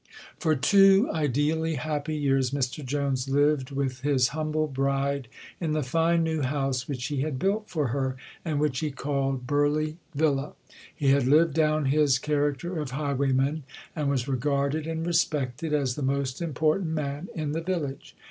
For two ideally happy years Mr Jones lived with his humble bride in the fine new house which he had built for her, and which he called Burleigh Villa. He had lived down his character of highwayman, and was regarded, and respected, as the most important man in the village.